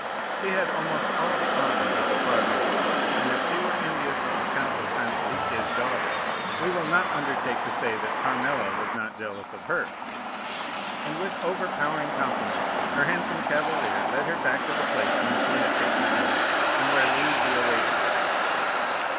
She had almost all the honors of the quadrille, and if she were envious of the Count of San Felice's daughter, we will not undertake to say that Carmela was not jealous of her. And with overpowering compliments her handsome cavalier led her back to the place whence he had taken her, and where Luigi awaited her.